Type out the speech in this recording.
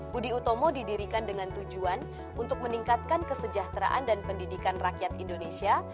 budi utomo didirikan dengan tujuan untuk meningkatkan kesejahteraan dan pendidikan rakyat indonesia